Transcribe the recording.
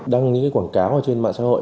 đăng những cái quảng cáo trên mạng xã hội